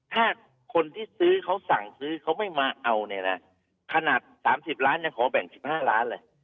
ถ้าคนที่ซื้อเขาสั่งซื้อเขาไม่มาเอาเนี่ยนะขนาดสามสิบล้านเนี่ยขอแบ่งสิบห้าล้านเลย